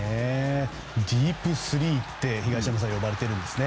ディープスリーって東山さん呼ばれているんですね。